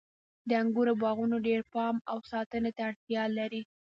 د انګورو باغونه ډیر پام او ساتنې ته اړتیا لري.